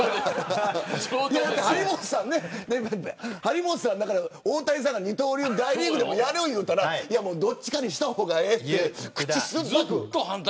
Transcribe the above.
張本さんは大谷さんが二刀流を大リーグでもやると言ったらどっちかにした方がええって。